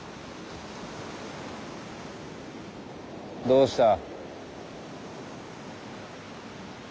どうした。